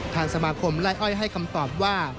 ทางสมาคมไล่อ้อยให้คำตอบว่า